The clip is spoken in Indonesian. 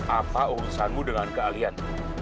apa urusanmu dengan kealian